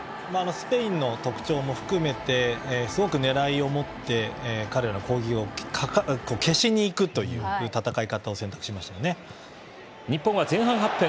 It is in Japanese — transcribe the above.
スペインの特徴も含めてすごくねらいを持って彼らの攻撃を消しに行くという戦い方を日本は前半８分。